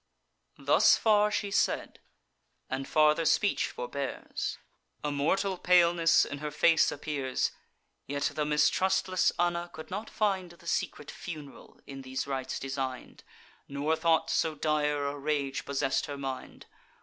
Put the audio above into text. Thus far she said, and farther speech forbears; A mortal paleness in her face appears: Yet the mistrustless Anna could not find The secret fun'ral in these rites design'd; Nor thought so dire a rage possess'd her mind.